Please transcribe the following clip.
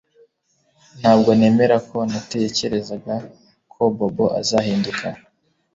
Ntabwo nemera ko natekerezaga ko Bobo azahinduka